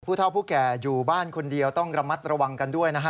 เท่าผู้แก่อยู่บ้านคนเดียวต้องระมัดระวังกันด้วยนะฮะ